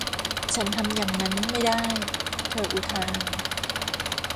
ฉันทำอย่างนั้นไม่ได้เธออุทาน